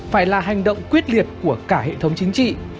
phải là hành động quyết liệt của cả hệ thống chính trị